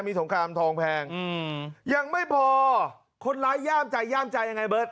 มีสงครามทองแพงอืมยังไม่พอคนร้ายย่ามใจย่ามใจยังไงเบิร์ต